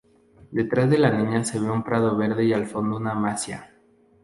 Detrás de la niña se ve un prado verde y al fondo una masía.